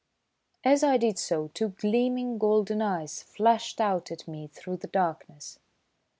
As I did so two gleaming, golden eyes flashed out at me through the darkness.